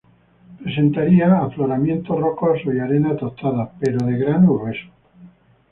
Presentaría afloramientos rocosos y arena tostada, pero de grano grueso.